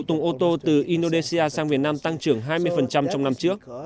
các sản phẩm ô tô từ indonesia sang việt nam tăng trưởng hai mươi trong năm trước